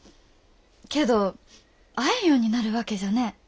けど会えんようになるわけじゃねえ。